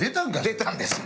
出たんです。